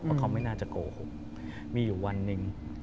เพราะเขาไม่น่าจะโกหกมีอยู่วันหนึ่ง